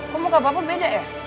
kamu kebapa beda ya